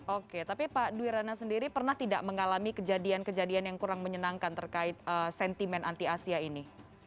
oke tapi pak dwirana sendiri pernah tidak mengalami kejadian kejadian yang kurang menyenangkan terkait sentimen anti asia ini